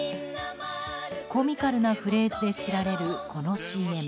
コミカルなフレーズで知られるこのＣＭ。